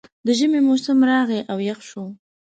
د ژمي موسم راغی او یخ شو